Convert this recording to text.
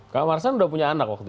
kamar saya udah punya anak waktu itu